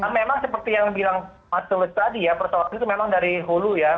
memang seperti yang bilang mas tulus tadi ya persoalan itu memang dari hulu ya